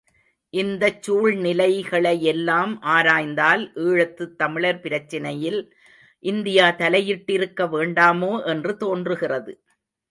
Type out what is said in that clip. இந்தச் சூழ்நிலைகளையெல்லாம் ஆராய்ந்தால் ஈழத்துத் தமிழர் பிரச்சினையில் இந்தியா தலையிட்டிருக்க வேண்டாமோ என்று தோன்றுகிறது.